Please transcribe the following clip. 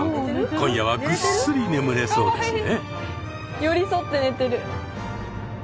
今夜はぐっすり眠れそうですね。